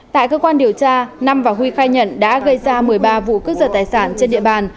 tại cơ quan điều tra nam và huy khai nhận đã gây ra một mươi ba vụ cướp giật tài sản trên địa bàn